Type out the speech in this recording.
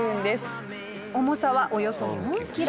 重さはおよそ４キロ。